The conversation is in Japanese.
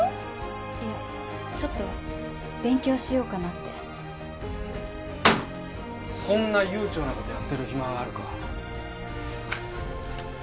いやちょっと勉強しようかなってそんな悠長なことやってる暇があるか？